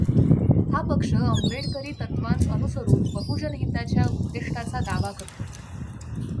हा पक्ष आंबेडकरी तत्त्वांस अनुसरून बहुजनहिताच्या उद्दिष्टाचा दावा करतो.